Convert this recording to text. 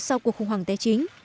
sau cuộc khủng hoảng tế chính